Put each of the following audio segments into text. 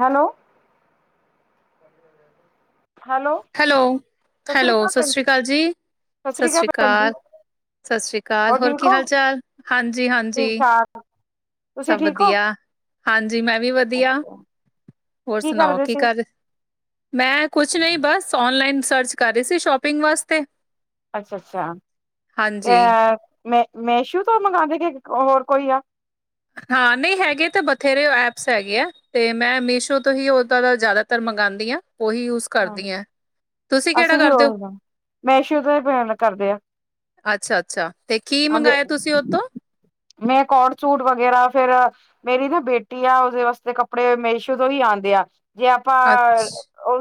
Hello hello, ਸਤਿ ਸ੍ਰੀ hello ਅਕਾਲ ਸਤਿ ਭੈਣ ਸ਼੍ਰੀ ਅਕਾਲ ਜੀ, ਸਤਿ ਸ੍ਰੀ ਸ਼੍ਰੀ ਭੈਣ ਜੀ ਅਕਾਲ। ਸਤਿ ਸ਼੍ਰੀ ਅਕਾਲ ਹੋਰ ਠੀਕ ਕੀ ਹੋ ਹਾਲ-ਚਾਲ? ਠੀਕ ਹਾਂਜੀ-ਹਾਂਜੀ। ਠਾਕ ਤੁਸੀਂ ਸਭ ਠੀਕ ਹੋ ਵਧੀਆ, ਹਾਂਜੀ ਮੈਂ ਵੀ ਵਧੀਆ। ਹੋਰ ਸੁਣਾਓ ਕਰਦੇ ਕੀ ਸੀ ਕਰ ਮੈਂ ਕੁਛ ਨਈਂ ਬਸ ਓਨਲਾਈਨ ਸਰਚ ਕਰ ਰਹੀ ਸੀ ਸ਼ੋਪਿੰਗ ਵਾਸਤੇ। ਅੱਛਾ-ਅੱਛਾ, ਹਾਂਜੀ ਅ ਮੇ-ਮੇਸ਼ੂ ਤੋਂ ਮੰਗਾਵੇ ਕੇ ਹੋਰ ਕੋਈ ਆ? ਹਾਂ, ਨਈਂ ਹੈਗੇ ਤਾਂ ਬਥੇਰੇ ਐਪਸ ਹੈਗੇ ਆ। ਤੇ ਮੈਂ ਮੀਸ਼ੋ ਤੋਂ ਹੀ ਉਹਦਾ ਦਾ ਜ਼ਿਆਦਾਤਰ ਮੰਗਾਉਂਦੀ ਆਂ, ਉਹੀ ਯੂਜ ਹਾਂ, ਤੁਸੀਂ ਕਿਹੜਾ ਅਸੀਂ ਵੀ ਕਰਦੇ ਹੋ ਉਹੀ, ਮੇਸ਼ੂ ਤੋਂ ਹੀ ਪੇਮੇਂਟ ਕਰਦੇ ਆ। ਅੱਛਾ-ਅੱਛਾ, ਤੇ ਕੀ ਹਾਂਜੀ ਮੰਗਾਇਆ ਤੁਸੀਂ ਓ ਤੋਂ। ਮੈਂ ਕੋੌੜ ਸੂਟ ਵਗੈਰਾ ਫੇਰ ਮੇਰੀ ਨਾ ਬੇਟੀ ਆ ਉਹਦੇ ਵਾਸਤੇ ਕੱਪੜੇ ਮੇਸ਼ੋ ਤੋਂ ਹੀ ਆਉਂਦੇ ਆ ਜੇ ਆਪਾਂ ਅੱਛ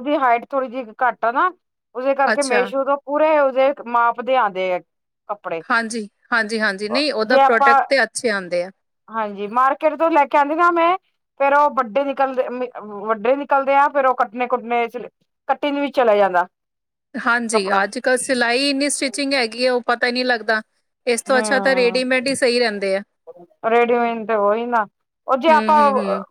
ਵੀ ਹਾਈਟ ਥੋੜ੍ਹੀ ਜਿਹੀ ਘੱਟ ਆ ਨਾ ਉਸਦੇ ਕਰਕੇ ਅੱਛਾ ਮੇਸ਼ੂਰ ਪੂਰੇ ਉਹਦੇ ਮਾਪ ਦੇ ਆਉਂਦੇ ਆ। ਕੱਪੜੇ ਹਾਂਜੀ- ਹਾਂਜੀ -ਹਾਂਜੀ, ਨਹੀਂ ਉਹਦਾ ਜੇ ਆਪਾਂ ਪ੍ਰੋਡਕਟ ਤੇ ਅੱਛੇ ਆਉਂਦੇ ਆ ਹਾਂਜੀ ਮਾਰਕੀਟ ਤੋਂ ਲੈ ਕੇ ਆਉਂਦੀ ਨਾ ਮੈਂ ਫੇਰ ਉਹ ਵੱਡੇ ਨਿਕਲਦੇ, ਵੱਡੇ ਨਿਕਲਦੇ ਆ ਫੇਰ ਉਹ ਕੱਟੇ ਕੁੱਟੇ ਕੰਟਿੰਨ ਵੀ ਚਲਾ ਜਾਂਦਾ ਹਾਂਜੀ, ਕੱਪੜਾ ਅੱਜ ਕੱਲ੍ਹ ਸਿਲਾਈ ਇੰਨੀ ਸਟਿਚਿੰਗ ਹੈਗੀ ਹੈ ਉਹ ਪਤਾ ਹੀ ਨਹੀ ਲੱਗਦਾ ਇਸ ਤੋਂ ਅੱਛਾ ਤਾਂ ਹਮ, ਰੇਡੀਮੇਡ ਹੀ ਸਹੀ ਰਹਿੰਦੇ ਆ। ਰੇਡੀਮੇਨ ਤੇ ਉਹ ਹੀ ਨਾ ਉਹ ਜੇ ਆਪਾਂ ਹੂੰ-ਹੂੰ-ਹੂੰ,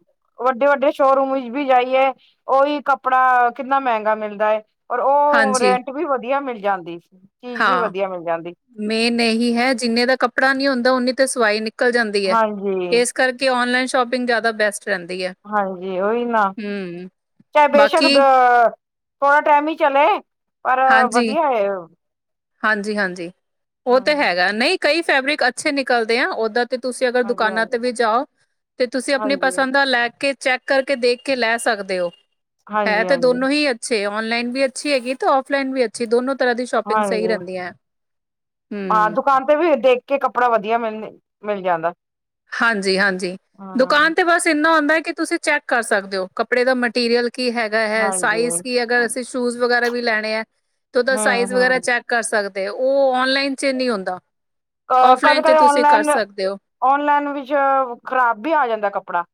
ਵੱਡੇ ਵੱਡੇ ਸ਼ੋਰੂਮ ਵਿੱਚ ਵੀ ਜਾਈਏ, ਉਹੀ ਕੱਪੜਾ ਕਿੰਨਾ ਮਹਿੰਗਾ ਮਿਲਦਾ ਹੈ ਔਰ ਉਹ ਹਾਂਜੀ ਰੈਂਟ ਵੀ ਵਧੀਆ ਮਿਲ ਜਾਂਦੀ, ਚੀਜ਼ ਵੀ ਵਧੀਆ ਮਿਲ ਜਾਂਦੀ। ਮੇ ਨਹੀਂ ਹੈ ਜਿੰਨੇ ਦਾ ਕੱਪੜਾ ਨੀ ਹੁੰਦਾ ਓਨੀ ਤੇ ਸਵਾਈ ਨਿਕਲ ਜਾਂਦੀ ਹੈ ਹਾਂਜੀ ਇਸ ਕਰਕੇ ਔਨਲਾਈਨ ਸ਼ੋਪਿੰਗ ਜ਼ਿਆਦਾ ਬੈਸਟ ਰਹਿੰਦੀ ਹੈ ਹਾਂਜੀ ਓਹੀ ਨਾ, ਹੂੰ ਚਾਹੇ ਬੇਸ਼ੱਕ ਦ ਬਾਕੀ ਥੋੜਾ ਟਾਈਮ ਈ ਚਲੇ, ਪਰ ਹਾਂਜੀ, ਵਧੀਆ ਐ ਓ। ਹਾਂਜੀ-ਹਾਂਜੀ, ਉਹ ਤਾਂ ਹਮ ਹੈਗਾ ਨਈ ਕਈ ਫੈਬਰਿਕ ਅੱਛੇ ਨਿਕਲਦੇ ਆ ਓਦਾ ਤੇ ਤੁਸੀਂ ਅਗਰ ਦੁਕਾਨਾਂ ਤੇ ਹਾਂਜੀ-ਹਾਂਜੀ, ਵੀ ਜਾਓ, ਤੇ ਤੁਸੀਂ ਆਪਣੀ ਹਾਂਜੀ, ਪਸੰਦ ਦਾ ਲੈ ਕੇ ਚੈੱਕ ਕਰਕੇ ਦੇਖ ਕੇ ਲੈ ਸਕਦੇ ਓ, ਹੈ ਤੇ ਹਾਂਜੀ-ਹਾਂਜੀ, ਦੋਨੋ ਹੀ ਅ ਅੱਛੇ ਆਨਲਾਈਨ ਵੀ ਅੱਛੀ ਹੈਗੀ ਤੇ ਆਫਲਾਈਨ ਵੀ ਅੱਛੀ ਦੋਨੋ ਤਰ੍ਹਾਂ ਦੀ ਸ਼ੋਪਿੰਗ ਸਹੀ ਹਾਂਜੀ ਰਹਿੰਦੀ ਐ। ਹਾਂ ਦੁਕਾਨ ਤੇ ਵੀ ਦੇਖ ਕੇ ਕੱਪੜਾ ਵਧੀਆ ਮਿਲ, ਮਿਲ ਜਾਂਦਾ। ਹਾਂਜੀ ਹਾਂਜੀ ਹਾਂ ਦੁਕਾਨ ਤੇ ਬਸ ਇੰਨਾ ਆਉਂਦਾ ਕਿ ਤੁਸੀਂ ਚੈੱਕ ਕਰ ਸਕਦੇ ਹੋ ਕੱਪੜੇ ਦਾ ਮਟੀਰੀਅਲ ਕੀ ਹੈਗਾ ਹੈ ਸਾਈਜ਼ ਹਾਂਜੀ। ਕੀ ਅਗਰ ਅਸੀਂ ਸ਼ੂਜ ਵਗਰਾ ਵੀ ਲੈਣੇ ਆ ਤੇ ਓਦਾ ਸਾਈਜ ਵਗੈਰਾ ਹੂੰ-ਹੂੰ ਚੈਕ ਕਰ ਸਕਦੇ ਉਹ ਨ ਲਨ ਚ ਨਹੀਂ ਹੁੰਦਾ ਅ ਫਲਾਈਨ ਚ ਕਦੇ-ਕਦੇ ਤੁਸੀਂ ਕਰ ਔਨਲਾਈਨ ਸਕਦੇ ਹੋ ਔਨਲਾਈਨ ਵਿੱਚ ਖ਼ਰਾਬ ਵੀ ਆ ਜਾਂਦਾ ਕੱਪੜਾ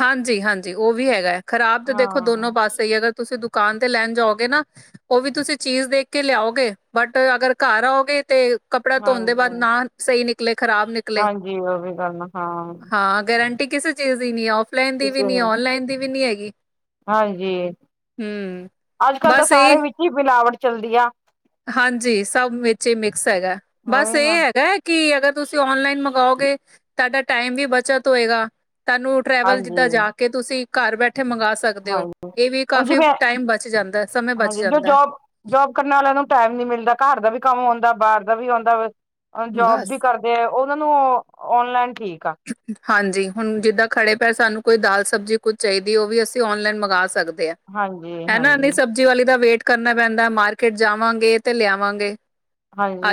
ਹਾਂਜੀ ਹਾਂਜੀ ਉਹ ਵੀ ਹੈਗਾ ਹੈ ਖ਼ਰਾਬ ਤਾਂ ਦੇਖੋ ਦੋਨੋ ਹਾਂ ਪਾਸੇ ਹੀ ਅਗਰ ਤੁਸੀਂ ਦੁਕਾਨ ਤੇ ਲੈਣ ਜਾਓਗੇ ਨਾ ਉਹ ਵੀ ਤੁਸੀਂ ਚੀਜ਼ ਦੇਖ ਕੇ ਲਿਆਓਗੇ ਬਟ ਅਗਰ ਘਰ ਆਓਗੇ ਤੇ ਕੱਪੜਾ ਧੋਣ ਦੇ ਬਾਅਦ ਹਾਂਜੀ, ਨਾ ਸਹੀ ਨਿਕਲੇ ਖ਼ਰਾਬ ਨਿਕਲੇ ਹਾਂਜੀ ਉਹ ਵੀ ਗੱਲ ਹਾਂ ਹਾਂ ਗਰੰਟੀ ਰਟੀ ਕਿਸੇ ਚੀਜ਼ ਦੀ ਨੀ ਫਲਾਈਨ ਦੀ ਵੀ ਕਿਸੇ ਨੀ ਨੂੰ ਔਨਲਾਈਨ ਦੀ ਵੀ ਨੀ ਹੈਗੀ ਹਾਂਜੀ ਹੂੰ ਅੱਜ ਕੱਲ੍ਹ ਤਾਂ ਬਸ ਇਹ ਸਾਰੇ ਵਿੱਚ ਹੀ ਮਿਲਾਵਟ ਚੱਲਦੀ ਆ ਹਾਂਜੀ ਸਭ ਵਿੱਚ ਹੀ ਮਿਕਸ ਹੈਗਾ ਬਸ ਉਹੀ ਇਹ ਨਾ ਹੈਗਾ ਕੀ ਅਗਰ ਤੁਸੀਂ ਔਨਲਾਈਨ ਮੰਗਓਗੇ ਤੁਹਾਡਾ ਟਾਈਮ ਵੀ ਬਚਤ ਹੋਏਗਾ ਤੁਹਾਨੂੰ ਟਰੈਵਲ ਜਿੱਦਾਂ ਜਾ ਹਾਂਜੀ-ਹਾਂਜੀ ਕੇ ਤੁਸੀਂ ਘਰ ਬੈਠੇ ਮੰਗਵਾ ਸਕਦੇ ਸਕਦੇ ਹੋ ਇਹ ਵੀ ਹੁਣ ਕਾਫ਼ੀ ਜਿਵੇਂ ਟਾਈਮ ਬਚ ਜਾਂਦਾ ਸਮੇਂ ਬਚ ਹਾਂਜੀ ਜੋ ਜਾਂਦਾ ਜੋਬ ਜੋਬ ਕਰਨ ਵਾਲਿਆਂ ਨੂੰ ਟਾਈਮ ਨੀ ਮਿਲਦਾ ਘਰ ਦਾ ਵੀ ਕੰਮ ਆਉਂਦਾ ਬਾਹਰ ਦਾ ਵੀ ਆਉਂਦਾ ਜੋਬ ਬਸ ਵੀ ਕਰਦਾ ਤੇ ਉਹਨਾਂ ਨੂੰ ਔਨਲਾਈਨ ਠੀਕ ਆ ਹਾਂਜੀ ਹੁਣ ਜਿੱਦਾਂ ਖੜੇ ਪਏ ਸਾਨੂੰ ਕੋਈ ਦਾਲ ਸਬਜ਼ੀ ਕੁੱਝ ਚਾਹੀਦੀ ਉਹ ਵੀ ਅਸੀਂ ਔਨਲਾਈਨ ਮੰਗਵਾ ਸਕਦੇ ਹਾਂ ਹਾਂਜੀ ਹਨਾ ਹਾਂਜੀ ਨਹੀਂ ਸਭ ਵਾਲੀ ਦਾ ਵੇਟ ਕਰਨਾ ਪੈਂਦਾ ਮਾਰਕਿਟ ਜਾਵਾਂਗੇ ਤੇ ਲਿਆਵਾਂਗੇ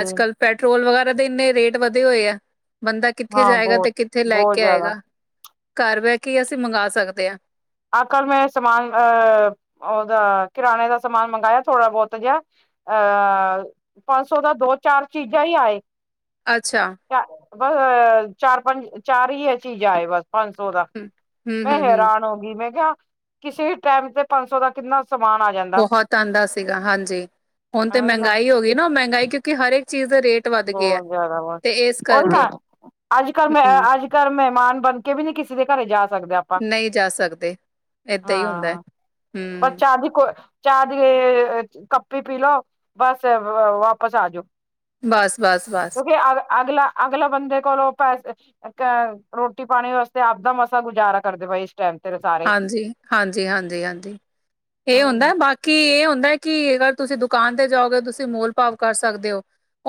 ਅੱਜ ਕੱਲ ਪੈਟਰੋਲ ਵਗੈਰਾ ਦੇ ਇੰਨੇ ਰੇਟ ਵਧੇ ਹੋਏ ਆ ਬੰਦਾ ਕਿੱਥੇ ਹਾਂ ਜਾਏਗਾ ਬਹੁਤ ਤੇ ਕਿੱਥੇ ਲੈ ਬਹੁਤ ਕੇ ਜ਼ਿਆਦਾ ਆਏਗਾ ਘਰ ਬਹਿ ਕੇ ਹੀ ਅਸੀਂ ਮੰਗਵਾ ਸਕਦੇ ਹਾਂ ਆਹ ਕੱਲ੍ਹ ਮੈਂ ਸਮਾਨ ਅਹ ਉਹਦਾ ਕਿਰਾਣੇੇ ਦਾ ਸਮਾਨ ਮੰਗਾਇਆ ਥੋੜ੍ਹਾ ਬਹੁਤ ਜਿਹਾ ਅਹ ਪੰਜ ਸੌ ਦਾ ਦੋ ਚਾਰ ਚੀਜ਼ਾਂ ਹੀ ਆਏ ਅੱਛਾ ਚ ਬਸ ਚਾਰ ਪੰਜ ਚਾਰ ਹੀ ਹੈ ਚੀਜ਼ਾਂ ਹੈ ਬਸ ਪੰਜ ਸੌ ਦਾ ਹੂੰ ਹੂੰ ਮੈਂ ਹੂੰ ਹੈਰ ਹੂੰ ਨੂੰ ਮੈਂ ਕਿਹਾ ਕਿਸੇ ਟਾਈਮ ਤੇ ਪੰਜ ਸੌ ਦਾ ਕਿੰਨਾ ਸਮਾਨ ਆ ਜਾਂਦਾ ਬਹੁਤ ਆਉਂਦਾ ਸੀਗਾ ਹਾਂਜੀ ਹੁਣ ਤੇ ਐਵੇਂ ਨਾ ਮਹਿੰਗਾਈ ਹੋ ਗਈ ਨਾ ਉਹ ਮਹਿੰਗਾਈ ਕਿਉਂਕਿ ਹਰੇਕ ਚੀਜ਼ ਦੇ ਰੇਟ ਵੱਧ ਗਿਆ ਬਹੁਤ ਜ਼ਿਆਦਾ ਬਹੁਤ ਤੇ ਇਸ ਉਹੀ ਨਾ ਕਰਕੇ ਅੱਜ ਕੱਲ ਮੈਂ ਹੂੰ ਅੱਜ ਘਰ ਮਹਿਮਾਨ ਬਣ ਕੇ ਵੀ ਨ ਕਿਸੇ ਦੇ ਘਰੇ ਜਾ ਸਕਦੇ ਹ ਆਪਾਂ, ਨਹੀਂ ਜਾ ਸਕਦੇ ਏਦਾਂ ਹੀ ਹੁੰਦਾ ਹੈ, ਹਾਂ ਪਰ ਹੂੰ ਚਾਹ ਦੀ ਕੋ ਚਾਰ ਦੀ ਕੱਪੀ ਪੀ ਲਓ ਬਸ ਵਾ ਵਾਪਸ ਆਜਓ। ਬਸ ਬਸ ਬਸ ਅ ਅਗਲਾ ਅਗਲਾ ਬੰਦੇ ਕੋਲੋਂ ਪੈਸੇ ਅ ਰੋਟੀ ਪਾਣੀ ਵਾਸਤੇ ਆਪਦਾ ਮਸਾਂ ਗੁਜ਼ਾਰਾ ਕਰਦੇ ਪ ਇਸ [unintelligible] [unintelligible] ਹਾਂਜੀ, ਹਾਂਜੀ-ਹਾਂਜੀ, ਹਾਂਜੀ ਇਹ ਹਮ ਹੁੰਦਾ ਬਾਕੀ ਕੀ ਇਹ ਹੁੰਦਾ ਕਿ ਅਰ ਤੁਸੀਂ ਦੁਕਾਨ ਤੇ ਜਾਓਗੇ ਤੁਸੀਂ ਮੋਲ ਭਾਵ ਕਰ ਸਕਦੇ ਹੋ।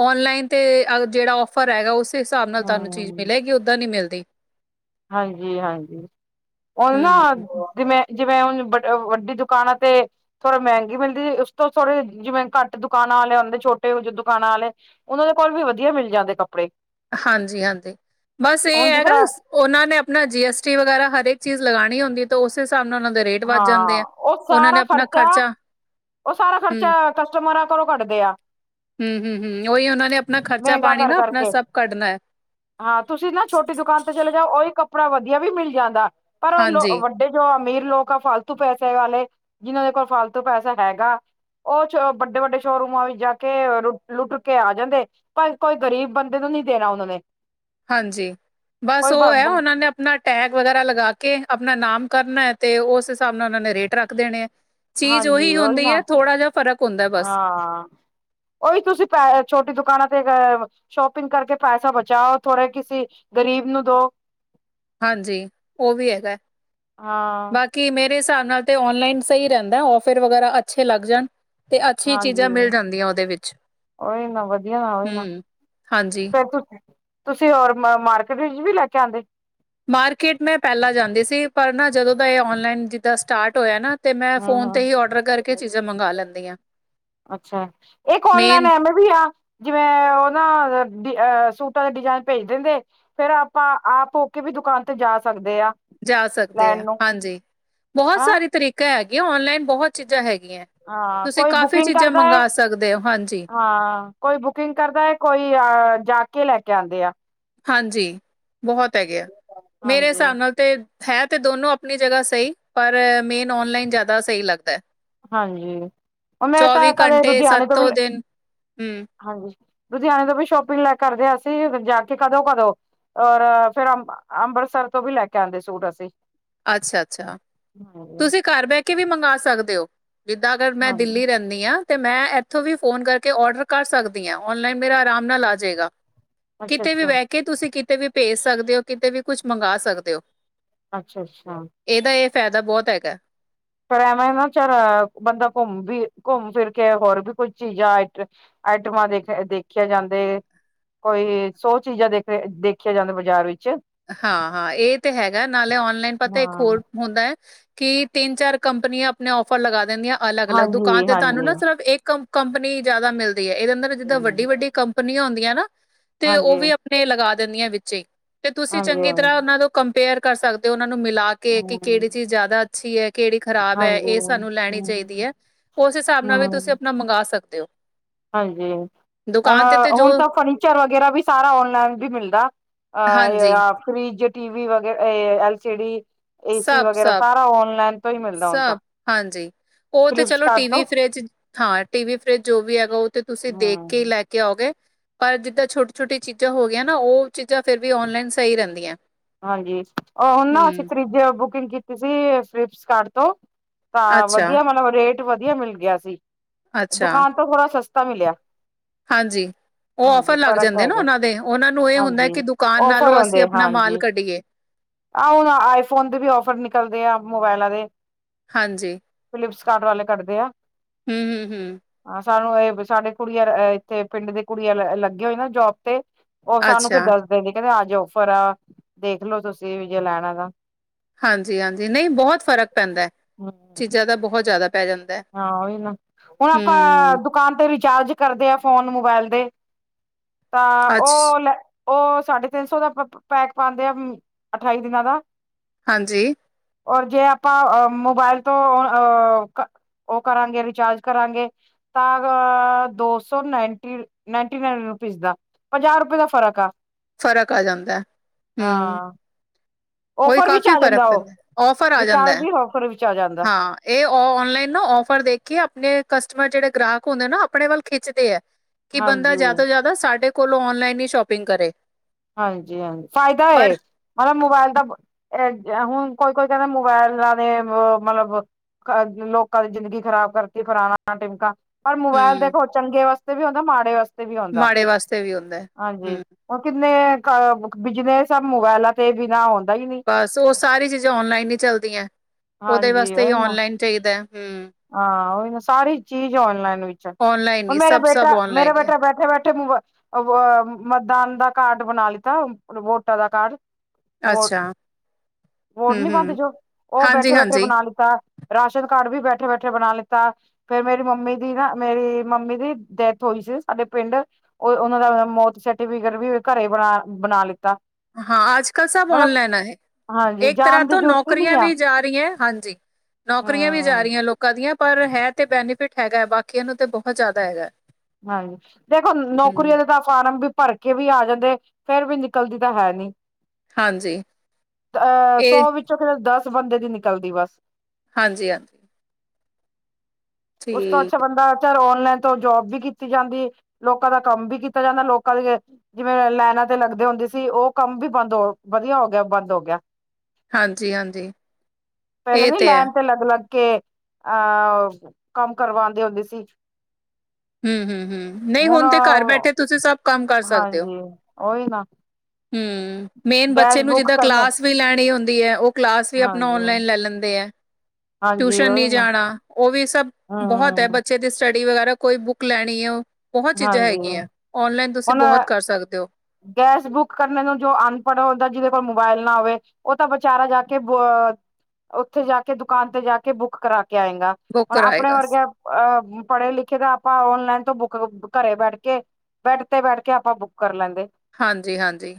ਓਨਲਾਈਨ ਤੇ ਜਿਹੜਾ ਔਫਰ ਹੈਗਾ, ਉਸੇ ਹਿਸਾਬ ਨਾਲ ਤੁਹਾਨੂੰ ਚੀਜ਼ ਮਿਲੇਗੀ ਓਦਾਂ ਨ ਮਿਲਦੀ। ਹਾਂਜੀ-ਹਾਂਜੀ ਉਹ ਨਾ ਹੂੰ ਜ ਮੈਂ ਜਿਵੇਂ ਹੁਣ ਵ ਵੱਡੀ ਦੁਕਾਨਾਂ ਤੇ ਥੋੜ੍ਹਾ ਮਹਿੰਗੀ ਮਿਲਦੀ ਉਸ ਤੋਂ ਥੋੜੇ ਜਿਵੇਂ ਘੱਟ ਦੁਕਾਨਾਂ ਵਾਲੇ ਆਉਂਦੇ ਛੋਟੇ ਦੁਕਾਨਾਂ ਵਾਲੇ ਉਹਨਾਂ ਦੇ ਕੋਲ ਵੀ ਵਧੀਆ ਮਿਲ ਜਾਂਦੇ ਕੱਪੜੇ। ਹਾਂਜੀ ਹਾਂਜੀ ਬਸ ਇਹ ਹੁਣ ਜਿਸ ਹੈਗਾ ਤਰ੍ਹਾਂ ਉਹਨਾਂ ਨੇ ਆਪਣਾ ਜੀ ਐਸ ਟੀ ਵਗੈਰਾ ਹਰੇਕ ਚੀਜ਼ ਲਗਾਣੀ ਹੁੰਦੀ ਤਾਂ ਉਸੇ ਹਿਸਾਬ ਨਾਲ ਉਹਨਾਂ ਦੇ ਰੇਟ ਵੱਧ ਜਾਂਦੇ ਹਾਂ ਆ ਉਹ ਉਹਨਾਂ ਨੇ ਸਾਰਾ ਆਪਣਾ ਖਰਚਾ ਉਹ ਸਾਰਾ ਹੂੰ, ਖਰਚਾ ਕਸਟਮਰਾਂ ਘਰੋਂ ਕੱਟਦੇ ਆ [unintelligible] ਹਮ ਹਮ ਹਮ ਉਹੀ ਉਹਨਾਂ ਨੇ ਆਪਣਾ ਖਰਚਾ ਮਹਿੰਗਾ ਪਾਣੀ ਕਰ ਨਾ ਆਪਣਾ ਕਰਕੇ ਸਭ ਕੱਢ ਹਾਂ ਤੁਸੀਂ ਨਾ ਛੋਟੀ ਦੁਕਾਨ ਤੇ ਚਲੇ ਜਾਓ ਉਹੀ ਕੱਪੜਾ ਵਧੀਆ ਵੀ ਮਿਲ ਜਾਂਦਾ ਪਰ ਉਹ ਲੋਕ ਹਾਂਜੀ, ਵੱਡੇ ਜੋ ਅਮੀਰ ਲੋਕ ਫਾਲਤੂ ਪੈਸੇ ਵਾਲੇ ਜਿਹਨਾਂ ਦੇ ਕੋਲ ਫਾਲਤੂ ਪੈਸਾ ਹੈਗਾ ਉਹ ਛੋ ਵੱਡੇ-ਵੱਡੇ ਸ਼ੋਰੂਮਾਂ ਵਿੱਚ ਜਾ ਕੇ ਲੁੱਟ ਕੇ ਆ ਜਾਂਦੇ। ਪਰ ਕੋਈ ਗ਼ਰੀਬ ਬੰਦੇ ਨੂੰ ਨਹੀਂ ਦੇਣਾ ਉਹਨਾਂ ਨੇ। ਹਾਂਜੀ ਬਸ ਕੋਈ ਉਹ ਬ ਹੈ ਬ ਉਹਨਾਂ ਨੇ ਨਾ ਟੈਗ ਵਗੈਰਾ ਲਗਾ ਕੇ ਆਪਣਾ ਨਾਮ ਕਰਨਾ ਹੈ ਤੇ ਉਸ ਹਿਸਾਬ ਨਾਲ ਉਹਨਾ ਨੇ ਰੇਟ ਰੱਖ ਦੇਣੇ ਹੈ। ਚੀਜ਼ ਹਾਂਜੀ ਉਹੀ ਹੁੰਦੀ ਨਾ ਹੈ ਥੋੜਾ ਜਿ ਫਰਕ ਹੁੰਦਾ ਬਸ। ਹਾਂ ਉਹੀ ਤੁਸੀਂ ਪ ਛੋਟੀ ਦੁਕਾਨਾਂ ਤੇ ਅ [unintelligible] ਸ਼ੋਪਿੰਗ ਕਰਕੇ ਪੈਸਾ ਬਚਾਓ ਥੋੜੇ ਕਿਸੇ ਗ਼ਰੀਬ ਨੂੰ ਦੋ। ਹਾਂਜੀ ਉਹ ਵੀ ਹੈਗਾ ਹਾਂ ਬਾਕ ਕਿ ਮੇਰੇ ਹਿਸਾਬ ਨਾਲ ਤਾਂ ਔਨਲਾਈਨ ਸਹੀ ਰਹਿੰਦਾ ਔਫਰ ਵਗੈਰਾ ਅੱਛੇ ਲੱਗ ਜਾਣ। ਤੇ ਅੱਛੀ ਚੀਜ਼ਾਂ ਹਾਂਜੀ ਮਿਲ ਜਾਂਦੀਆਂ ਉਹਦੇ ਵਿੱਚ ਉਹੀ ਨਾ ਵਧੀਆ ਨਾ ਉਹੀ ਨਾ ਹੂੰ। ਹਾਂਜੀ, ਫੇਰ ਤੁਸੀਂ ਹੋਰ ਮਾਰਕੀਟ ਵਿੱਚ ਵੀ ਲੈ ਕੇ ਆਣਦੇ। ਮਾਰਕੀਟ ਮੈਂ ਪਹਿਲਾਂ ਜਾਂਦੀ ਸੀ ਪਰ ਨਾ ਜਦੋਂ ਦਾ ਇਹ ਔਨਲਾਈਨ ਜਿੱਦਾਂ ਸਟਾਰਟ ਹੋਇਆ ਨਾ ਤੇ ਮੈਂ ਫੋਨ ਤੇ ਹੂੰ-ਹੂੰ, ਹੀ ਔਡਰ ਕਰਕੇ ਚੀਜ਼ਾਂ ਮੰਗਵਾ ਲੈਂਦੀ ਹਾਂ। ਅੱਛਾ ਇੱਕ ਔਨਲਾਈਨ ਮੇਨ ਐਵੇਂ ਵੀ ਆ ਜਿਵੇਂ ਉਹ ਨਾਹ ਸੂਟਾਂ ਦੇ ਡਿਜਾਇਨ ਭੇਜ ਦਿੰਦੇ। ਫੇਰ ਆਪਾਂ ਆਪ ਹੋ ਕੇ ਵੀ ਦੁਕਾਨ ਤੇ ਜਾ ਸਕਦੇ ਆ। ਜਾ ਸਕਦੇ ਲੈਣ ਆ ਨੂੰ ਹਾਂਜੀ ਬਹੁਤ ਹਾਂ ਸਾਰੇ ਤਰੀ ਹੈਗੇ ਔਨਲਾਈਨ ਬਹੁਤ ਚੀਜ਼ਾਂ ਹੈਗੀਆਂ ਹਾਂ ਤੁਸੀਂ ਕੋਈ ਕਾਫ਼ੀ ਬੁਕਿੰਗ ਚੀਜ਼ਾਂ ਕਰਦਾ ਹੈ ਮੰਗਵਾ ਸਕਦੇ ਹੋ ਹਾਂਜੀ। ਹਾਂ ਕੋਈ ਬੁਕਿੰਗ ਕਰਦਾ ਕੋਈ ਅ ਜਾ ਕੇ ਲੈ ਕੇ ਆਉਂਦੇ ਆ। ਹਾਂਜੀ ਬਹੁਤ ਹੈਗੇ ਆ। ਮੇਰੇ ਹਾਂਜੀ ਹਿਸਾਬ ਨਾਲ ਤੇ ਹੈ ਤੇ ਦੋਨੋ ਆਪਣੀ ਜਗ੍ਹਾ ਸਹੀ ਪਰ ਮੇਨ ਓਨਲਾਈਨ ਜਿਆਦਾ ਸਹੀ ਲੱਗਦਾ ਹੈ। ਹਾਂਜੀ ਉਹ ਮੈਂ ਤਾਂ ਕਦੇ ਘੰਟੇ ਲੁਧਿਆਣੇ ਤੋਂ ਵੀ ਸੱਤੋ ਲ ਦਿਨ ਹੂੰ, ਹਾਂਜੀ ਲੁਧਿਆਣੇ ਤੋਂ ਵੀ ਸ਼ੋਪਿੰਗ ਲੈ ਕਰਦੇ ਹ ਅਸੀਂ ਜਾ ਕੇ ਕਦੋਂ-ਕਦੋਂ। [unintelligible] ਔਰ ਫੇਰ ਅ ਅੰਮ੍ਰਿਤਸਰ ਤੋਂ ਵੀ ਲੈ ਕੇ ਆਉਂਦੇ ਸੂਟ ਅਸੀਂ। [unintelligible] ਅੱਛਾ-ਅੱਛਾ ਹਾਂ [unintelligible] ਤੁਸੀਂ ਘਰ ਬਹਿ ਕੇ ਵੀ ਮੰਗਵਾ ਸਕਦੇ ਹੋ ਜਿੱਦਾਂ ਅਗਰ ਮੈਂ ਹਾਂਜੀ, ਦਿੱਲੀ ਰੇਨ [unintelligible] ਮੈਂ ਇੱਥੋਂ ਵੀ ਫੋਨ ਕਰਕੇ ਔਡਰ ਕਰ ਸਕਦੀ ਆ ਔਨਲਾਈਨ ਮੇਰਾ ਆਰਾਮ ਨਾਲ ਆ ਜਾਏਗਾ। [inaudible] ਕਿਤੇ ਵੀ ਬਹਿ ਕੇ ਤੁਸੀਂ ਕਿਤੇ ਵੀ ਭੇਜ ਸਕਦੇ ਹੋ ਕਿਤੇ ਵੀ ਕੁਝ ਮੰਗਵਾ ਸਕਦੇ ਹੋ। ਅੱਛਾ ਅੱਛਾ। ਇਹਦਾ, ਇਹ ਫਾਇਦਾ ਬਹੁਤ ਹੈਗਾ? ਪਰ ਐਵੇਂ ਨਾਲ ਚਲ, ਬੰਦਾ ਘੁੰਮ ਵੀ ਘੁੰਮ ਫਿਰ ਕੇ ਹੋਰ ਵੀ, ਕੁਝ ਚੀਜ਼ਾਂ ਆਈਟਮਾਂ ਦੇਖ, ਦੇਖਿਆ ਜਾਂਦੇ। ਕੋਈ ਸੌ ਚੀਜ਼ਾਂ ਦੇਖ ਦੇਖੀਆਂ ਜਾਂਦੀਆਂ ਬਾਜ਼ਾਰ ਵਿੱਚ। ਹਾਂ ਹਾਂ ਇਹ ਤੇ ਹੈਗਾ ਨਾਲੇ ਔਨਲਾਈਨ ਪਤਾ ਇੱਕ ਹਾਂ, ਹੋਰ ਹੁੰਦਾ ਹੈ ਕਿ ਤਿੰਨ ਚਾਰ ਕੰਪਨੀਆਂ ਔਫਰ ਲਗਾ ਦੇਂਦਿਆ ਅਲੱਗ ਅਲੱਗ ਦੁਕਾਨ ਤੇ ਤੁਹਾਨੂੰ ਹਾਂਜੀ-ਹਾਂਜੀ। ਨਾ ਸਿਰਫ ਇੱਕ ਕੰਪਨੀ ਜ਼ਿਆਦਾ ਮਿਲਦੀ ਹੈ ਇਹਦੇ ਅੰਦਰ ਜਿੱਦਾਂ ਹੂੰ, ਵੱਡੀ-ਵੱਡੀ ਕੰਪਨੀਆਂ ਹੁੰਦੀਆਂ ਨਾ ਤੇ ਉਹ ਵੀ ਹਾਂਜੀ-ਹਾਂਜੀ, ਆਪਣੇ ਲਗਾ ਦਿੰਦੀਆਂ ਨੇ ਵਿੱਚੇ। ਤੇ ਤੁਸੀਂ ਚੰਗੀ ਤਰ੍ਹਾਂ ਉਹਨਾਂ ਤੋਂ ਕੰਪੇਅਰ ਕਰ ਸਕਦੇ ਹੋ ਉਹਨਾਂ ਨੂੰ ਮਿਲਾ ਕੇ ਕਿ ਕਿਹੜੀ ਹੂੰ, ਚੀਜ਼ ਜ਼ਿਆਦਾ। ਅੱਛੀ ਹੈ ਕਿਹੜੀ ਖ਼ਰਾਬ ਹੈ ਹਾਂਜੀ। ਇਹ ਹੂੰ, ਸਾਨੂੰ ਲੈਣੀ ਚਾਹੀਦੀ ਹੈ। ਉਸ ਹਿਸਾਬ ਨਾਲ ਵੀ ਤੁਸੀਂ ਹੂੰ, ਆਪਣਾ ਮੰਗਵਾ ਸਕਦੇ ਹੋ? ਹਾਂਜੀ ਹੁਣ ਦੁਕਾਨ ਤੇ ਤੇ ਜੋ ਹੁਣ ਤਾਂ ਫਰਨੀਚਰ ਵਗੈਰਾ ਵੀ ਸਾਰਾ ਆਨਲਾਈਨ ਵੀ ਮਿਲਦਾ। ਅ ਹਾਂਜੀ ਯ ਫ੍ਰਿਜ, ਟੀਵੀ ਵੈਰਾ ਐਲ ਸੀ ਡੀ ਏਸੀ ਸਭ ਵਗੈਰਾ ਸਭ ਸਾਰਾ ਓਨਲਾਈਨ ਤੋਂ ਹੀ ਮਿਲਦਾ ਹੁਣ ਤਾਂ। ਸਭ ਹਾਂਜੀ ਉਹ ਤੇ ਚਲੋ ਫਲਿਪਸਕਾਰਟ ਟੀਵੀ, ਤੋਂ ਫਰਿਜ ਹਾਂ। ਟੀਵੀ, ਫਰਿਜ ਜੋ ਵੀ ਹੈਗਾ ਉਹ ਤੇ ਤੁਸੀਂ ਦੇਖ ਕੇ ਹਮ ਲੈ ਕੇ ਆਓਗੇ ਪਰ ਜਿੱਦਾਂ ਛੋਟੀ-ਛੋਟੀ ਚੀਜ਼ਾਂ ਹੋ ਗਈਆਂ ਨਾ ਉਹ ਚੀਜ਼ਾਂ ਫਿਰ ਵੀ ਓਨਲਾਈਨ ਸਹੀ ਰਹਿੰਦੀਆਂ। ਹਾਂਜੀ, ਹੁਣ ਨਾ ਅਸੀਂ ਹੂੰ ਤਾਰੀਕ ਦੀ ਬੁਕਿੰਗ ਕੀਤੀ ਸੀ, ਫਲਿਪਟਸ ਸਟਾਰ ਤੋਂ ਤਾਂ ਅੱਛਾ ਵਧੀਆ, ਮਤਲਬ ਰੇਟ ਵਧੀਆ ਮਿਲ ਗਿਆ ਸੀ, ਅੱਛਾ ਦੁਕਾਨ ਤੋਂ ਥੋੜ੍ਹਾ ਸਸਤਾ ਮਿਲਿਆ। ਹਾਂਜੀ। ਹਾਂਜੀ ਔਫਰ, ਲੱਗ ਫ਼ਰਕ ਜਾਂਦੇ ਪੈ ਨੇ ਗਿਆ ਉਹਨਾਂ ਦੇ, ਉਹਨਾਂ ਨੂੰ ਇਹ ਹੁੰਦਾ ਹਾਂਜੀ ਕਿ, ਦੁਕਾਨ ਔਫਰ -ਨਾਲੋਂ ਅਸੀਂ, ਆਉਂਦੇ ਆਪਣਾ ਮਾਲ ਹਾਂਜੀ ਸਸਤਾ, ਕੱਢੀਏ। ਆਹ ਹੁਣ, ਆਈਫੋਨ ਤੇ ਵੀ ਔਫਰ ਨਿਕਲਦੇ ਆ, ਮੋਬਾਇਲਾਂ ਦੇ। ਹਾਂਜੀ, ਫਲਿਪਸ ਕਾਰਟ, ਵਾਲੇ ਕਰਦੇ ਆ। ਹੂੰ, ਹੂੰ, ਹੂੰ, ਹਾਂ ਸਾਨੂੰ, ਇਹ ਸਾਡੀਆ ਕੁੜੀਆਂ ਇੱਥੇ ਪਿੰਡ, ਦੇ ਕੁੜੀਆਂ ਲੱਗੇ ਹੋਈ ਨਾ, ਜੋਬ ਤੇ ਉਹ ਸਾਨੂੰ ਫਿਰ ਅੱਛਾ ਦੱਸ ਦਿੰਦੀ, ਕਹਿੰਦੀ। ਹਾਂਜੀ ਹਾਂਜੀ ਨਹੀਂ ਬਹੁਤ ਫ਼ਰਕ ਪੈਂਦਾ, ਹੂੰ। ਚੀਜ਼ਾਂ ਦਾ ਬਹੁਤ ਜ਼ਿਆਦਾ ਪੈ ਜਾਂਦਾ ਹਾਂ, ਹਨਾ ਹੁਣ ਆਪਾਂ ਹੂੰ, ਦੁਕਾਨ ਤੇ, ਰਿਚਾਰਜ ਕਰਦੇ ਹਾਂ, ਫੋਨ ਮੋਬਾਇਲ ਦੇ ਤਾਂ ਅੱਛ ਉਹ ਲੈ ਉਹ, ਸਾਢੇ ਤਿੰਨ ਸੌ ਦਾ ਪੈਕ ਪਾਦੇ ਆ, ਅਠਾਈ ਦਿਨਾਂ ਦਾ। ਹਾਂਜੀ। ਔਰ ਜੇ ਆਪਾਂ, ਮੋਬਾਇਲ ਤੋਂ ਅ ਉਹ ਕਰਾਂਗੇ, ਰਿਚਾਰਜ ਕਰਾਂਗੇ। ਤਾਂ ਦੋ ਸੋ ਨਾਇਣਟੀਨਿਨ ਰੂਪੀਸ ਦਾ। ਪੰਜਾਹ ਰੁਪਏ, ਦਾ ਫ਼ਰਕ ਆ ਫ਼ਰਕ, ਆ ਜਾਂਦਾ ਹੂ ਹਾਂ ਉਹੀ, ਔਫਰ ਵਿੱਚ ਕਾਫ਼ੀ ਆ ਫਰਕ ਜਾਂਦਾ ਉਹ ਪੈਂਦਾ, ਔਫਰ ਆ ਜਾਂਦਾ ਰਿਚਾਰਜ ਹੈ ਵੀ ਔਫਰ ਵਿੱਚ ਆ ਜਾਂਦਾ ਹਾਂ। ਏ ਔਨਲਾਈਨ ਨਾ, ਓਫਰ ਦੇ ਕੇ ਆਪਣੇ ਕਸਟਮਰ, ਜਿਹੜੇ ਗ੍ਰਾਹਕ ਹੁੰਦੇ ਨਾ, ਆਪਣੇ ਵੱਲ ਖਿੱਚਦੇ ਆ। ਕਿ ਬੰਦਾ, ਹਾਂਜੀ ਜ਼ਿਆਦਾ ਤੋਂ ਜ਼ਿਆਦਾ ਸਾਡੇ ਕੋਲੋਂ ਔਨਲਾਈਨ, ਹੀ ਸ਼ੋਪਿੰਗ ਕਰੇ ਹਾਂਜੀ ਹਾਂਜੀ ਫਾਇਦਾ ਪਰ ਏ। ਮਤਲਬ ਮੋਬਾਇਲ ਤਾਂ ਹੁਣ ਕੋਈ ਕੋਈ ਕਹਿੰਦਾ ਮੋਬਾਇਲ ਦੇ ਮਤਲਬ [inaudible] ਘਰ ਦੇ ਲੋਕਾਂ ਨੇ ਜ਼ਿੰਦਗੀ ਖ਼ਰਾਬ ਕਰਤੀ ਫਰਾਣਾ, ਟਿਮਕਾ ਪਰ ਮੋਬਾਇਲ ਹੂੰ ਦੇਖੋ, ਚੰਗੇ ਵਾਸਤੇ ਵੀ ਹੁੰਦਾ, ਮਾੜੇ ਵਾਸਤੇ ਵੀ ਹੁੰਦਾ, ਮਾੜੇ ਵਾਸਤੇ ਵੀ ਹੁੰਦਾ ਹੈ। ਹਾਂਜੀ। ਹੂੰ ਹੁਣ ਕਿੰਨੇ ਬਿਜਨਸ, ਮੋਬਾਇਲਾਂ ਤੇ ਬਿਨਾਂ ਹੋਣ ਬਸ, ਉਹ ਸਾਰੀ ਚੀਜ਼ਾਂ, ਔਨਲਾਈਨ ਹੀ ਚੱਲਦੀਆਂ, ਉਹਦੇ ਹਾਂਜੀ ਵਾਸਤੇ ਹੀ ਉਹੀ ਨਾ ਔਨਲਾਈਨ ਚਾਹੀਦਾ ਹੁ। ਹਾਂ, ਓਹੀ ਨਾ ਸਾਰੀ ਚੀਜ਼ ਔਨਲਾਈਨ ਵਿੱਚ। ਔਨਲਾਈਨ ਉਹ ਹੀ ਮੇਰਾ ਸਭ ਸਭ ਬੇਟਾ, ਮੇਰਾ ਔਨਲਾਈਨ ਹੀ ਹੈ ਬੇਟਾ ਬੈਠੇ ਬੈਠੇ ਅ, ਮਤਦਾਨ ਦਾ ਕਾਰਡ ਬਣਾ ਲਿੱਤਾ, ਵੋਟਾਂ ਦਾ ਕਾਰਡ। ਵੋਟ ਅੱਛਾ ਵੋਟ ਹੂੰ ਨੀ ਬਣਦੇ ਹੂੰ ਜੋ ਉਹ ਹਾਂਜੀ ਬੈਠੇ ਬੈਠੇ ਹਾਂਜੀ ਬਣਾ ਲਿੱਤਾ। ਰਾਸ਼ਨ ਕਾਰਡ ਵੀ ਬੈਠੇ ਬੈਠੇ ਬਣਾ ਲਿੱਤਾ ਫੇਿਰ ਮੇਰੀ ਮੰਮੀ ਦੀ ਨਾ ਮੇਰੀ ਮੰਮੀ ਦੀ ਡੈਥ ਹੋਈ ਸੀ ਸਾਡੇ ਪਿੰਡ ਉਹ ਉਹਨਾਂ ਦਾ ਮੌਤ ਸਰਟੀਫਿਕੇਟ ਵੀ ਘਰੇ ਬਣਾ ਬਣਾ ਲਿੱਤਾ ਹਾਂ ਆਜ ਕਲ ਸਭ ਮਤਲਬ ਔਨਲਾਈਨ ਹੈ ਹਾਂਜੀ ਇੱਕ ਤਰ੍ਹਾਂ ਜਾਣ ਦੀ ਤੋਂ ਜ਼ਰੂਰਤ ਹੀ ਨੀ ਨੌਕਰੀਆਂ ਆ ਵੀ ਜਾ ਰਹੀਆਂ ਹਾਂਜੀ ਨੌਕਰੀਆਂ ਵੀ ਜਾ ਹਮ ਰਹੀਆਂ ਲੋਕ ਕਦੀਆਂ ਪਰ ਹੈ ਤੇ ਬੈਨੀਫਿਟ ਹੈਗਾ ਹੈ ਬਾਕੀਆਂ ਨੂੰ ਤੇ ਬਹੁਤ ਜ਼ਿਆਦਾ ਹੈਗਾ। ਹਾਂਜੀ ਦੇਖੋ ਨੌਕਰੀਆਂ ਹੂੰ ਦੇ ਤਾਂ ਫਾਰਮ ਵੀ ਭਰ ਕੇ ਵੀ ਆ ਜਾਂਦੇ ਫੇਰ ਵੀ ਨਿਕਲਦੀ ਤਾਂ ਹੈ ਨੀ ਹਾਂਜੀ ਅ ਅਹ ਇਹ ਸੌ ਵਿੱਚੋਂ ਫ ਦਸ ਬੰਦੇ ਦੀ ਨਿਕਲਦੀ ਬਸ ਹਾਂਜੀ ਹਾਂਜੀ ਉਸ ਤੋਂ ਅੱਛਾ ਠੀਕ ਬੰਦਾ ਔਨਲਾਈਨ ਤੋਂ ਜੋਬ ਵੀ ਕੀਤੀ ਜਾਂਦੀ ਲੋਕਾਂ ਦਾ ਕੰਮ ਵੀ ਕੀਤਾ ਜਾਂਦਾ ਲੋਕਾਂ ਦੀ ਜਿਵੇਂ ਲਾਈਨਾਂ ਤੇ ਲੱਗਦੇ ਹੁੰਦੇ ਸੀ ਉਹ ਕੰਮ ਵੀ ਬੰਦ ਹੋ ਵਧੀਆ ਹੋ ਗਿਆ ਬੰਦ ਹੋ ਗਿਆ ਹਾਂਜੀ ਹਾਂਜੀ ਪਹਿਲੇ ਇਹ ਨੀ ਤੇ ਹੈ। ਲਾਈਨ ਤੇ ਲੱਗ-ਲੱਗ ਕੇ ਅਹ ਕੰਮ ਕਰਵਾਉਂਦੇ ਹੁੰਦੇ ਸੀ। ਹੂੰ, ਹੂੰ, ਹੂੰ ਨਹੀਂ, ਹੁਣ ਤੇ ਘਰ ਬੈਠੇ, ਤੁਸੀਂ ਸਭ। ਕੰਮ ਕਰ ਸਕਦੇ ਹੋ ਹਾਂਜੀ, ਓਹੀ ਨਾ। ਹੂੰ, ਮੇਨ ਗੈਸ ਬੱਚੇ ਨੂੰ ਬੁੱਕ ਜਿੱਦਾਂ, ਕਰਨੇ ਕਲਾਸ ਵੀ ਲੈਣੀ ਹੁੰਦੀ ਹੈ ਉਹ। ਕਲਾਸ, ਵੀ ਆਪਣਾ ਹਾਂਜੀ ਔਨਲਾਈਨ ਲੈ ਲੈਂਦੇ ਆ। ਹਾਂਜੀ ਟਿਊਸ਼ਨ, ਉਹੀ ਨਹੀਂ ਨਾ ਜਾਣਾ ਉਹ ਵੀ ਸਭ, ਬਹੁਤ ਹੈ ਬ। ਹਮ ਬੱਚੇ ਦੀ ਸਟੱਡੀ ਵਗੈਰਾ ਕੋਈ ਬੁੱਕ ਲੈਣੀ ਹੈ, ਬਹੁਤ ਚੀਜ਼ਾਂ ਹਾਂਜੀ ਹੈਗੀਆਂ। ਔਨਲਾਈਨ ਤੁਸੀਂ ਹੁਣ ਬਹੁਤ ਕਰ ਸਕਦੇ ਹੋ। ਗੈਸ ਬੁੱਕ ਕਰਨੇ ਨੂੰ ਜੋ ਅਨਪੜ੍ਹ ਹੁੰਦਾ। ਜਿਹਦੇ ਕੋਲ ਮੋਬਾਇਲ ਨਾ ਹੋਵੇ। ਉਹ ਤਾਂ ਵਿਚਾਚਾਰਾ ਜਾਕੇ ਉੱਥੇ ਜਾ ਕੇ ਦੁਕਾਨ ਤੇ ਜਾ ਕੇ ਬੁੱਕ ਕਰਾ ਕੇ ਆਏਗਾ। ਬੁੱਕ ਹੁਣ ਆਪਣੇ ਕਰਾਏਗਾ। ਵਰਗੇ ਪੜ੍ਹੇ ਲਿਖੇ ਤਾਂ ਆਪਾਂ ਔਨਲਾਈਨ ਤੋਂ ਬੁੱਕ ਘਰੇ ਬੈਠ ਕੇ। ਬੈਡ ਤੇ ਬੈਠ ਕੇ ਆਪਾਂ ਬੁੱਕ ਕਰ ਲੈਂਦੇ। ਹਾਂਜੀ ਹਾਂਜੀ।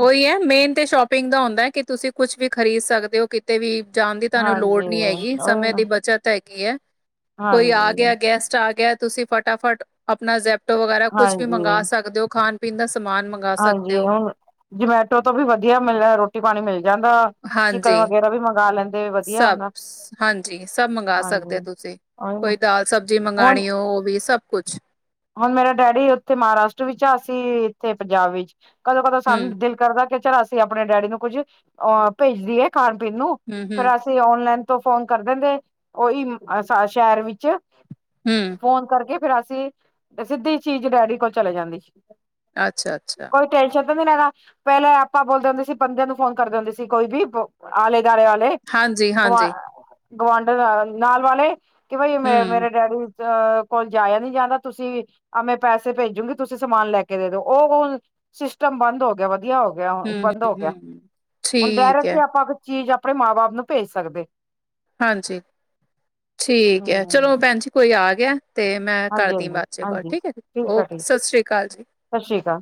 ਉਹੀ ਹੈ ਮੇਨ ਤੇ ਸ਼ੋਪਿੰਗ ਦਾ ਹੁੰਦਾ ਕਿ ਤੁਸੀਂ ਕੁਛ ਵੀ ਖਰੀਦ ਸਕਦੇ ਹੋ ਕਿ। ਤੇ ਵੀ ਜਾਣ ਦੀ ਤੁਹਾਨੂੰ ਲੋੜ ਹਾਂਜੀ ਨੀ ਹੈਗੀ ਉਹੀ ਸਮੇਂ ਨਾ ਦੀ ਬੱਚਤ ਹੈਗੀ ਹੈ। ਕੋਈ ਆ ਹਾਂਜੀ ਗਿਆ ਗੈਸਟ ਆ ਗਿਆ ਤੁਸੀਂ ਫਟਾਫਟ ਆਪਣਾ ਜ਼। ਜ਼ੇਪਟੋ ਬਾਹਰੋ ਵਗੈਰਾ ਕੁੱਛ ਵੀ ਹਾਂਜੀ ਮੰਗਵਾ ਸਕਦੇ ਹੋ ਖਾਣ ਪੀਣ ਦਾ ਸਮਾਨ ਮੰਗ। ਹਾਂਜੀ, ਹੁਣ ਜਮੈਟੋ ਤੋਂ ਵੀ ਵਧੀਆ ਮਿਲ ਰਿਹਾ ਰੋ ਰੋਟੀ ਪਾਣੀ ਮਿਲ ਜਾਂਦਾ ਚਿਕਨ ਹਾਂਜੀ ਵਗੈਰਾ ਵੀ ਮੰਗਵਾ ਲੈਂਦੇ। ਵਧੀਆ ਸਭ ਹੁੰਦਾ ਹਾਂਜੀ ਸਭ ਮੰਗਵਾ ਸਕਦੇ ਹਾਂਜੀ ਹੋ ਤੁਸੀਂ ਉਹੀ ਨਾ ਕੋਈ ਦਾਲ ਸਬਜ਼ੀ ਹੁਣ ਮੰਗਵਾਉਣੀ। ਉਹ ਵੀ ਸਭ ਕੁਛ। ਹੁਣ ਮੇਰਾ ਡੈਡੀ ਉੱਥੇ ਮਹਾਰਾਸ਼ਟਰ ਵਿੱਚ ਆ ਅਸੀਂ ਇੱਥੇ ਪੰਜਾਬ ਵਿੱਚ ਕਦੋਂ ਕਦੋਂ ਸਾਨੂੰ ਹਮ ਦਿਲ। ਕਰਦਾ ਕਿ ਚੱਲ ਅਸੀਂ ਆਪਣੇ ਡੈਡੀ ਨੂੰ ਕੁੱਝ ਅਹ ਭੇਜਦੀਏ ਖਾਣ ਪੀਣ ਨੂੰ ਹਮ ਹਮ ਫੇਰ ਅਸੀਂ। ਅ ਓਨਲਾਈਨ ਤੋਂ ਫੋਨ ਕਰ ਦਿੰਦੇ ਉਹੀ ਸ਼ਹਿਰ ਵਿੱਚ ਹਮ ਫੋਨ ਕਰਕੇ ਫੇਰ ਅਸੀਂ ਸਿੱਧੀ ਚੀਜ਼ ਡੈਡੀ ਕੋਲ ਚਲੇ ਜਾਂਦੀ ਸੀ। ਅੱਛਾ ਅੱਛਾ। ਟੇਨਸ਼ਨ ਤੇ ਨਹੀਂ ਲੈਣਾ ਪਹਿਲਾਂ ਆਪਾਂ ਬੋਲਦੇ ਹੁੰਦੇ ਸੀ ਬਦੇ ਨੂੰ ਫੋਨ ਕਰਦੇ ਹੁੰਦੇ ਸੀ ਕੋਈ ਵੀ ਆਲੇ ਦੁਆਲੇ ਵਾਲੇ। ਹਾਂਜੀ ਹਾਂਜੀ ਗੁਆਂਢਣ ਨਾਲ ਨਾਲ ਵਾਲੇ ਕਿ ਬਈ ਮੇ ਹਮ ਮੇਰੇ ਡੈਡੀ। ਜ ਕੋਲ ਜਾਇਆ ਨਹੀਂ ਜਾਂਦਾ। ਤੁਸੀਂ ਆਵੇਂ ਪੈਸੇ ਭੇਜੂਗੀ ਤੁਸੀਂ ਸਮਾਨ ਲੈ ਕੇ ਦੇ ਦੋ ਉਹ ਹ। ਸਿਸਟਮ ਬੰਦ ਹੋ ਗਿਆ। ਵਧੀਆ ਹੋ ਗਿਆ। ਹਮ ਹਮ ਬੰਦ ਹੋ ਗਿਆ ਹਮ ਹੁਣ ਠੀਕ ਡਾਇਰੈਕਟ ਹੈ ਹੀ ਆਪਾਂ। ਚੀਜ਼ ਆਪਣੇ ਮਾਂ ਬਾਪ ਨੂੰ ਭੇਜ ਸਕਦੇ। ਹਾਂਜੀ ਠੀਕ ਹੈ ਹਮ ਚਲੋ ਭੈਣ ਜੀ ਕੋਈ ਆ ਗਿਆ। ਤੇ ਮੈਂ ਹਾਂਜੀ ਕਰਦੀ ਹਾਂਜੀ ਬਾਅਦ ਚ ਕੋਲ ਹਾਂਜੀ ਠੀਕ ਹੈ ਜੀ ਆ ਓਕੇ ਠੀਕ ਸਤਿ ਸ਼੍ਰੀ ਅਕਾਲ ਜੀ। ਸਤਿ ਸ਼੍ਰੀ ਅਕਾਲ।